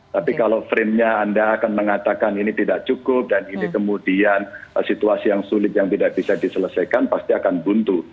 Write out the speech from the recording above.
tapi kalau frame nya anda akan mengatakan ini tidak cukup dan ini kemudian situasi yang sulit yang tidak bisa diselesaikan pasti akan buntu